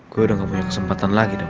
gue udah gak punya kesempatan lagi dong